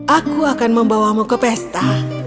aku akan membawamu ke pesta